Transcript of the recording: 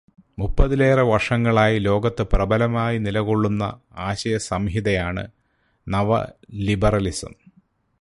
മുപ്പതിലേറെ വർഷങ്ങളായി ലോകത്ത് പ്രബലമായി നിലകൊള്ളുന്ന ആശയസംഹിതയാണ് നവലിബെറലിസം.